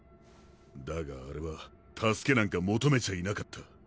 だがあれは救けなんか求めちゃいなかった。